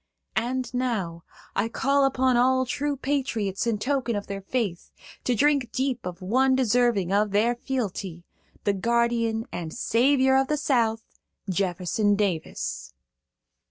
"And now, I call upon all true patriots in token of their faith, to drink deep of one deserving their fealty,–the guardian and savior of the South, Jefferson Davis."